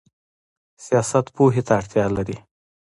سیاست پوهې ته اړتیا لري؟